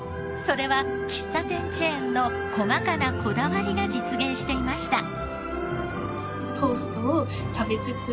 それは喫茶店チェーンの細かなこだわりが実現していました。